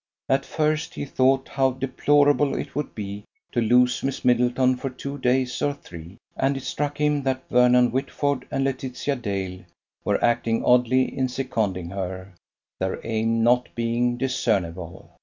At first he thought how deplorable it would be to lose Miss Middleton for two days or three: and it struck him that Vernon Whitford and Laetitia Dale were acting oddly in seconding her, their aim not being discernible.